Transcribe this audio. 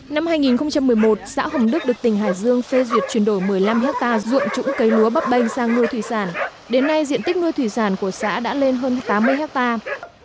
năm hai nghìn một mươi một xã hồng đức được tỉnh hải dương phê duyệt chuyển đổi một mươi năm hectare ruộng trũng cấy lúa bắp bênh sang nuôi thủy sản đến nay diện tích nuôi thủy sản của xã đã lên hơn tám mươi hectare